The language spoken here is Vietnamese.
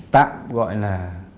tạm gọi là